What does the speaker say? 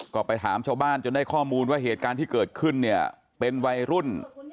ก็ไปถามชาวบ้านจนได้ข้อมูลว่าเหตุการณ์ที่เกิดขึ้นเนี่ยเป็นวัยรุ่น